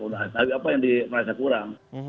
tapi apa yang dirasa kurang